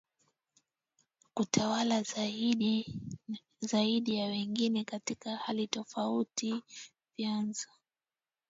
kutawala zaidi ya wengine katika hali tofauti vyanzo